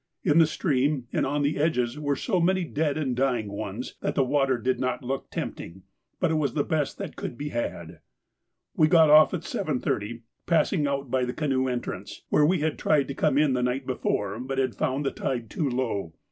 In the stream and on the edges were so many dead and dying ones, that the water did not look tempting, but it was the best that could be had. We got off at 7.30, passing out by the canoe entrance, where we had tried to come in the night before, but had found the tide too low.